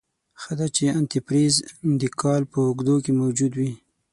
ښه ده چې انتي فریز دکال په اوږدو کې موجود وي.